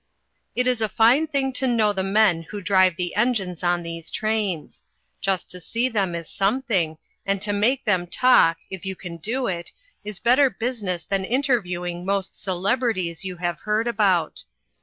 It is a fine thing to know the men who drive the engines on these trains; just to see them is something, and to make them talk (if you can do it) is better business than interviewing most celebrities you have heard about.